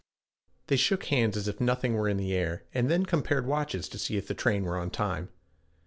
They shook hands as if nothing were in the air, and then compared watches to see if the train were on time.